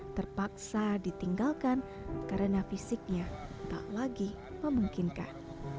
terpaksa ditinggalkan karena fisiknya tak lagi memungkinkan